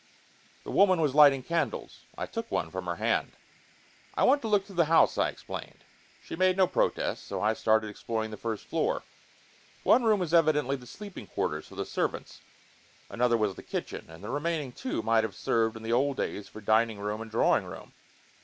The woman was lighting candles. I took one from her hand. "I want to look through the house," I explained. She made no protest; so I started exploring the first floor. One room was evidently the sleeping quarters for the servants; another was the kitchen, and the remaining two might have served in the old days for dining room and drawing room.